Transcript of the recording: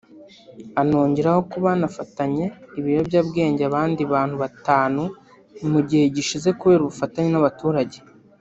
anongeraho ko banafatanye ibiyobyabwenge abandi bantu batanu mu gihe gishize kubera ubufatanye n’abaturage